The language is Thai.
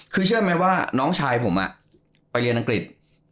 คือเชื่อไหมว่าน้องชายผมไปเรียนอังกฤษ